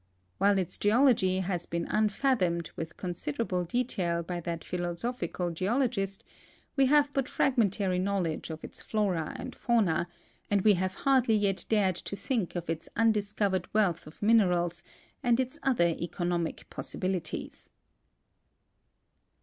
While its geology has been unfathomed with considerable detail by that philosophical geologist, we have 15 226 MOUNT ST. HELENS but fragmentary knowledge of its flora and fauna, and we have hardly yet dared to think of its undiscovered wealth of minerals and its other economic possibilities.